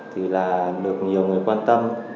thì là được nhiều người quan tâm